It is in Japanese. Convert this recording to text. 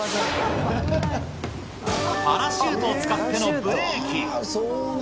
パラシュートを使ってのブレーキ。